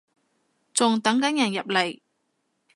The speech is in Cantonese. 仲等緊人入嚟